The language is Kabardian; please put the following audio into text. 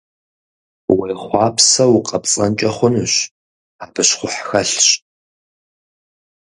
Уехъуапсэу укъэпцӀэнкӀэ хъунущ, абы щхъухь хэлъщ.